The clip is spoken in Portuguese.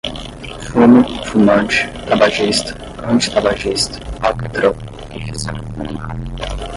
fumo, fumante, tabagista, antitabagista, alcatrão, enfisema pulmonar